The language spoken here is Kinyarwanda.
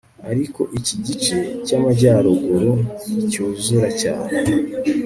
ariko iki gice cyamajyaruguru nticyuzura cyane